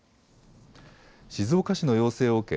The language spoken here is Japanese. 静岡市の要請を受け